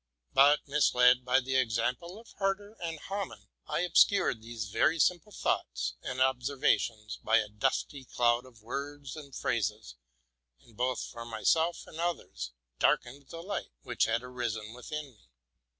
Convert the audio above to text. But, misled by the example of Herder and Hamann, T obscured these very sim ple thoughts and observations by a dusty cloud of words and phrases, and, both for myself and others, darkened the light which had arisen within me.